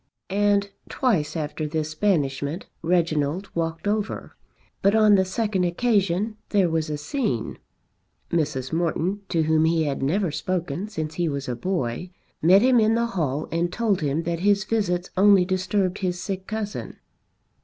And twice after this banishment Reginald walked over. But on the second occasion there was a scene. Mrs. Morton to whom he had never spoken since he was a boy, met him in the hall and told him that his visits only disturbed his sick cousin.